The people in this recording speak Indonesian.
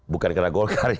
bukan karena golkar ya